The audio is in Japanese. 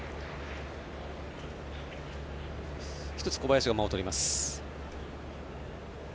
１つ、小林が間をとります。